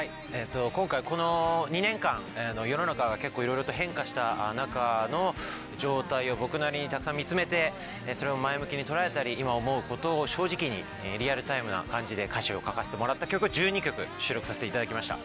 今回はこの２年間世の中が結構いろいろと変化した中の状態を僕なりにたくさん見つめてそれを前向きに捉えたり今思うことを正直にリアルタイムな感じで歌詞を書かせてもらった曲を１２曲収録させていただきました。